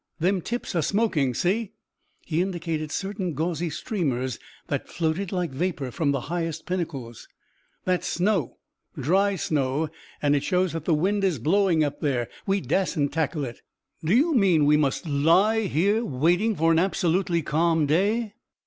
Them tips are smoking, see!" He indicated certain gauzy streamers that floated like vapor from the highest pinnacles. "That's snow, dry snow, and it shows that the wind is blowing up there. We dassent tackle it." "Do you mean we must lie here waiting for an absolutely calm day?"